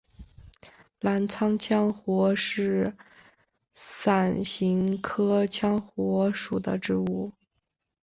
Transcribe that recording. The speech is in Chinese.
澜沧羌活是伞形科羌活属的植物。